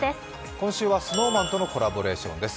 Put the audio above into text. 今週はＳｎｏｗＭａｎとのコラボレーションです。